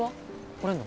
来れんの？